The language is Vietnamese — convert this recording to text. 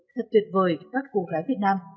thật tuyệt vời các cô gái việt nam